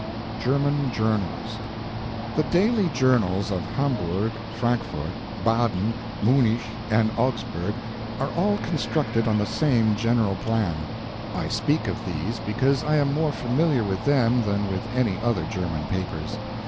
German Journals The daily journals of Hamburg, Frankfort, Baden, Munich, and Augsburg are all constructed on the same general plan. I speak of these because I am more familiar with them than with any other German papers.